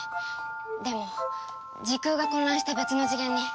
でも時空が混乱して別の次元に。